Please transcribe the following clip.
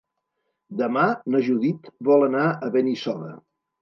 Demà na Judit vol anar a Benissoda.